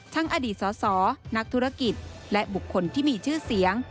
อดีตสสนักธุรกิจและบุคคลที่มีชื่อเสียง